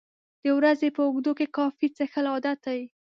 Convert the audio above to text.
د ورځې په اوږدو کې کافي څښل عادت دی.